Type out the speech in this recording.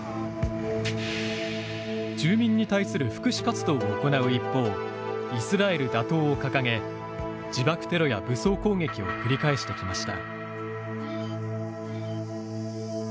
住民に対する福祉活動を行う一方イスラエル打倒を掲げ自爆テロや武装攻撃を繰り返してきました。